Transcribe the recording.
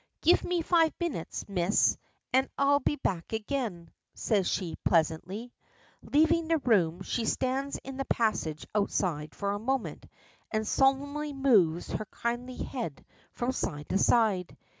"Give me five minutes, Miss, an' I'll be back again," says she pleasantly. Leaving the room, she stands in the passage outside for a moment, and solemnly moves her kindly head from side to side.